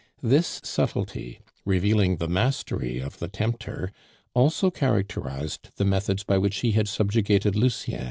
This subtlety, revealing the mastery of the tempter, also characterized the methods by which he had subjugated Lucien.